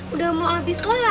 udah mau abis lagi